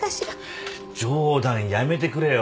冗談やめてくれよ。